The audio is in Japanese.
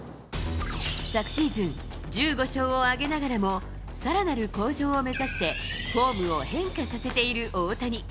昨シーズン、１５勝を挙げながらも、さらなる向上を目指して、フォームを変化させている大谷。